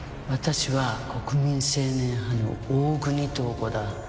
私は国民青年派の大國塔子だ。